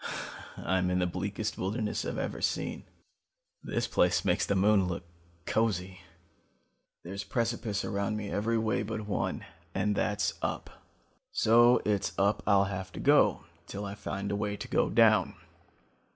I'm in the bleakest wilderness I've ever seen. This place makes the moon look cozy. There's precipice around me every way but one and that's up. So it's up I'll have to go till I find a way to go down.